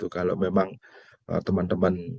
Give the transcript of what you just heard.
kalau memang teman teman